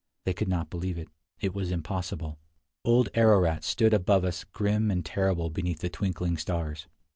They could not believe it. It was impossible. Old Ararat stood above us grim and terrible beneath the twinkling stars.